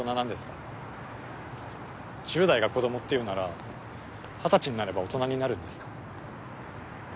１０代が子どもっていうなら二十歳になれば大人になるんですか？